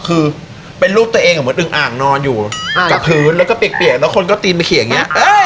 คือเป็นรูปตัวเองเหมือนอึงอ่างนอนอยู่กับพื้นแล้วก็เปียกแล้วคนก็ตีนไปเขียอย่างนี้